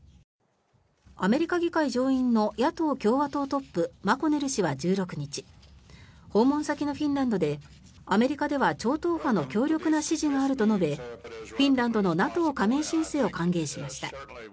アメリカ議会上院の野党・共和党トップマコネル氏は１６日訪問先のフィンランドでアメリカでは超党派の強力な支持があると述べフィンランドのＮＡＴＯ加盟申請を歓迎しました。